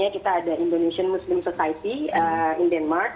kita ada indonesian muslim society in denmark